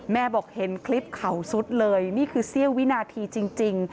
แม่บอกเห็นคลิปเขาสุดเลยนี่คือเสี้ยววินาทีจริง